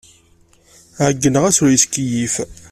Ɛeyyneɣ-as ur yettkeyyif.